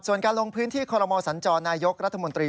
ส่วนการลงพื้นที่คนละมศัลจรณ์ณรัฐมนตรี